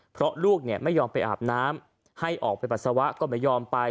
เพราะลูกไม่ยอมไปอาบน้ำให้ออกไปปัสสาวะก็ไม่ยอมไป